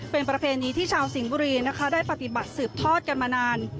เป็นประเพณีที่ชาวสิงห์บุรีนะคะได้ปฏิบัติสืบทอดกันมานาน